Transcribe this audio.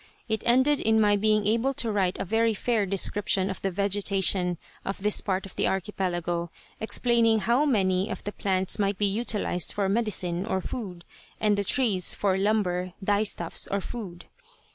It ended in my being able to write a very fair description of the vegetation of this part of the archipelago, explaining how many of the plants might be utilized for medicine or food, and the trees for lumber, dyestuffs or food.